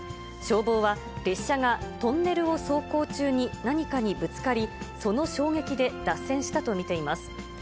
消防は列車がトンネルを走行中に何かにぶつかり、その衝撃で脱線したと見ています。